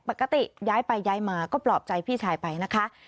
ย้ายไปย้ายมาก็ปลอบใจพี่ชายไปนะคะ